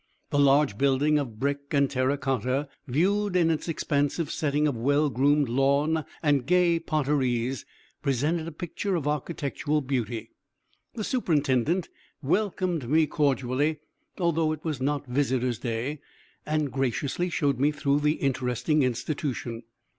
The large building of brick and terra cotta, viewed in its expansive setting of well groomed lawn and gay parterres, presented a picture of architectural beauty. The superintendent welcomed me cordially, although it was not visitors' day, and graciously showed me through the interesting institution.